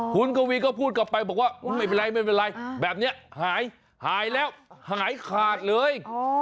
คุณกวีก็พูดกลับไปบอกว่าไม่เป็นไรไม่เป็นไรแบบนี้หายหายแล้วหายขาดเลย